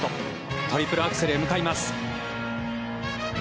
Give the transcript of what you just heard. トリプルアクセルへ向かいます。